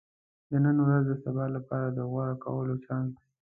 • د نن ورځ د سبا لپاره د غوره کولو چانس دی.